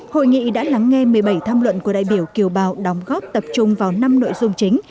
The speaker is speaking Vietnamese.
hội nghị đã lắng nghe một mươi bảy tham luận của đại biểu kiều bào đóng góp tập trung vào năm nội dung chính